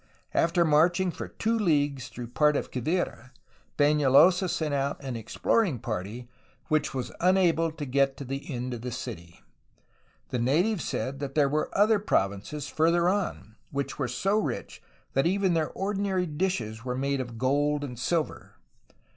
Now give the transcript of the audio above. After marching for two leagues through part of Quivira, Penalosa sent out an exploring party which was unable to get to the end of the city. The natives said that there were other provinces farther on, which were so rich that even their ordinary dishes were made of gold and silver.